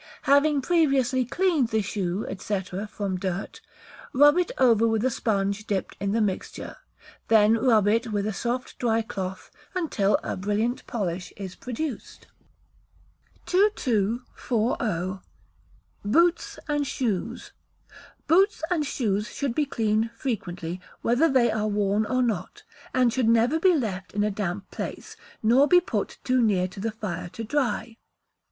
Having previously cleaned the shoe, &c., from dirt, rub it over with a sponge dipped in the mixture: then rub it with a soft dry cloth until a brilliant polish is produced. 2240. Boots and Shoes. Boots and shoes should be cleaned frequently, whether they are worn or not, and should never be left in a damp place, nor be put too near to the fire to dry.